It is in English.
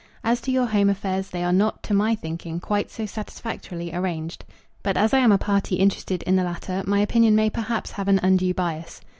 As to your home affairs they are not, to my thinking, quite so satisfactorily arranged. But as I am a party interested in the latter my opinion may perhaps have an undue bias.